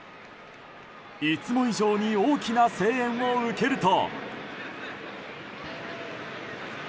いつも以上に大きな声援を受けると。